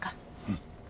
うん。